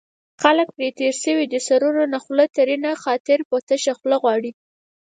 خلک پرې تېر شوي دي سرونو نه خوله ترېنه خاطر په تشه خوله غواړي